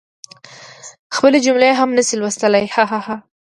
خپلي جملی هم نشي لوستلی هههه